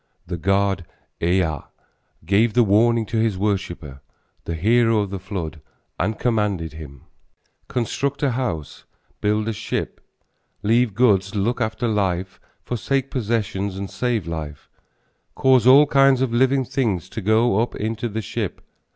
The god Ea gave the warning to his worshipper, the hero of the flood, and commanded him: Construct a house, build a ship, Leave goods, look after life, Forsake possessions, and save life, Cause all kinds of living things to go up into the ship.